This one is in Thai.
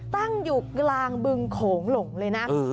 ตั้งอยู่กลางบึงโขงหลงเลยนะ